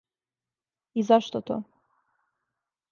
И зашто то?